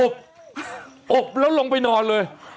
อบแล้วลงไปนอนเลย